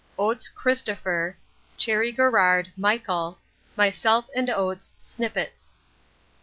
Oates Christopher. Cherry Garrard Michael. Myself & Oates Snippets.